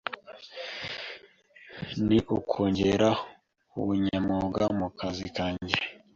ni ukongera ubunyamwuga mu kazi kange